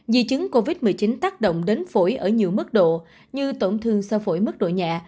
di chứng covid một mươi chín tác động đến phổi ở nhiều mức độ như tổn thương sơ phổi mức độ nhẹ